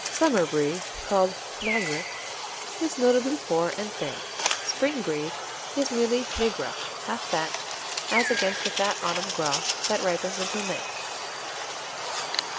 Summer Brie, called Maigre, is notably poor and thin. Spring Brie is merely Migras, half fat, as against the fat autumn Gras that ripens until May.